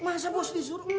masa bos disuruh